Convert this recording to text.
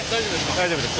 大丈夫です。